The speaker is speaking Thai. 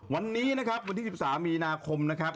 วันนี้นะครับวันที่๑๓มีนาคมนะครับ